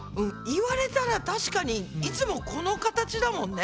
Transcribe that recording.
言われたら確かにいつもこの形だもんね。